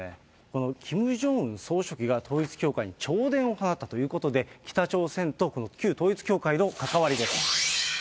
このキム・ジョンウン総書記が統一教会に弔電を放ったということで、北朝鮮と旧統一教会の関わりです。